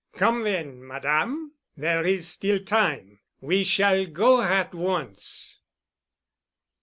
"Come, then, Madame. There is still time. We shall go at once."